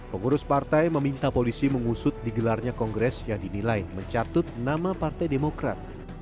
pengurus partai meminta polisi mengusut digelarnya kongres yang dinilai mencatut nama partai demokrat